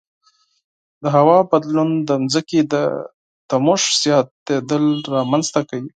د هوا بدلون د ځمکې د تودوخې زیاتیدل رامنځته کوي.